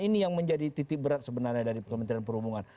ini yang menjadi titik berat sebenarnya dari kementerian perhubungan